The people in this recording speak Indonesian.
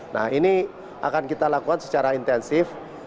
nah ini akan kita lakukan secara intensif